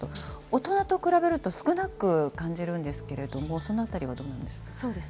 大人と比べると少なく感じるんですけれども、そのあたりはどうなそうですね。